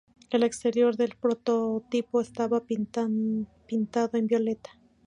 El exterior del prototipo estaba pintado en violeta.